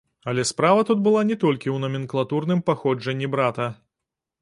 Але справа тут была не толькі ў наменклатурным паходжанні брата.